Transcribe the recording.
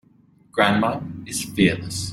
Grandma is fearless.